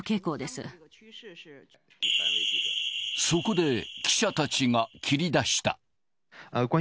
そこで、記者たちが切り出した。